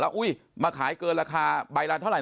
แล้วมาขายเกินราคาเป็นบ่ายละ๕๐บาทใช่ไหม